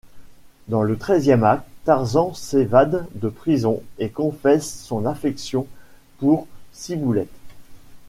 Dans le troisième acte, Tarzan s'évade de prison et confesse son affection pour Ciboulette.